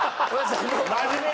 真面目な。